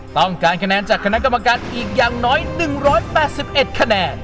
ต้องการคะแนนจากคณะกรรมการอีกอย่างน้อย๑๘๑คะแนน